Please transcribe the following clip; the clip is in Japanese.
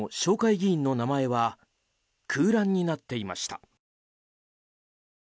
議員の名前は空欄になっていました。